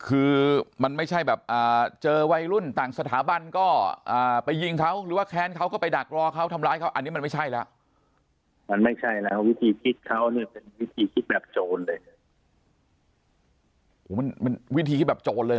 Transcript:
คือมันไม่ใช่แบบเจอวัยรุ่นต่างสถาบันก็ไปยิงเขาหรือว่าแค้นเขาก็ไปดักรอเขาทำร้ายเขา